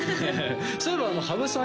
そういえば羽生さん